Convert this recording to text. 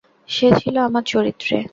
সে ছিল আমার চরিত্রে।